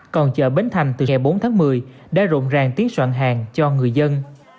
còn chợ bến thành từ ngày bốn tháng một mươi đã rộn ràng tiến soạn hàng cho người dân